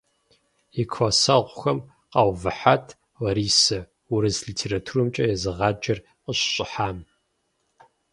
И классэгъухэм къаувыхьат Ларисэ, урыс литературэмкӀэ езыгъаджэр къыщыщӀыхьам.